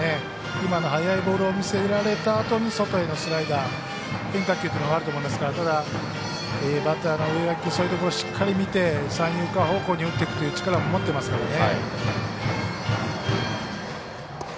今の速いボールを見せられたあとに外へのスライダー変化球というのがあると思いますからただ、バッターの植垣君そういうところをしっかり見て三遊間方向に打っていくという力も持っていますからね。